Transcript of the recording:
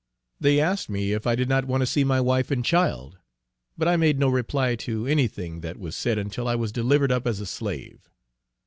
They asked me if I did not want to see my wife and child; but I made no reply to any thing that was said until I was delivered up as a slave.